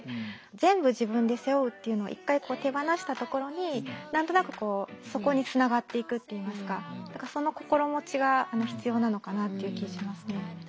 全部自分で背負うっていうのを一回手放したところに何となくこうそこにつながっていくっていいますかその心持ちが必要なのかなっていう気しますね。